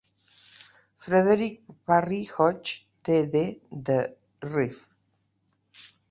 Frederick Parry Hodges D.D. The Rev.